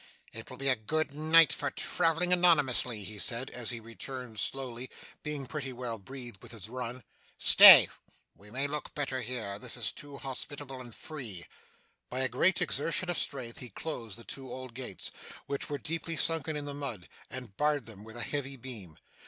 'It will be a good night for travelling anonymously,' he said, as he returned slowly, being pretty well breathed with his run. 'Stay. We may look better here. This is too hospitable and free.' By a great exertion of strength, he closed the two old gates, which were deeply sunken in the mud, and barred them with a heavy beam.